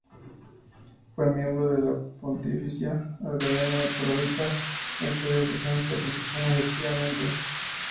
Fue miembro de la Pontificia Academia "Pro Vita", en cuyas sesiones participó muy activamente.